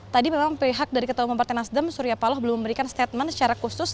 tadi memang pihak dari ketua umum partai nasdem surya paloh belum memberikan statement secara khusus